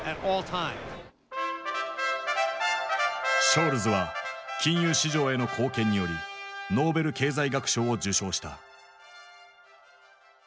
ショールズは金融市場への貢献によりノーベル経済学賞を受賞した。